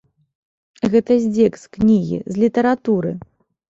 Гэта здзек з кнігі, з літаратуры!